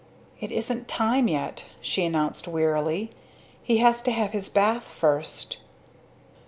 "It isn't time yet," she announced wearily. "He has to have his bath first."